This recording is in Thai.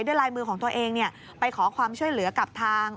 ลายมือของตัวเองไปขอความช่วยเหลือกับทาง